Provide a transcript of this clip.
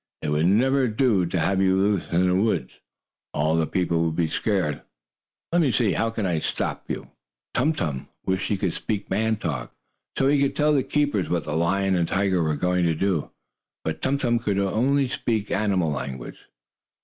It would never do to have you loose in the woods; all the people would be scared. Let me see, how can I stop you?" Tum Tum wished he could speak man talk, so he could tell the keepers what the lion and tiger were going to do. But Tum Tum could speak only animal language.